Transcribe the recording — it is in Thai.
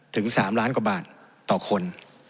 ถึง๓ล้านกว่าบาทต่อคน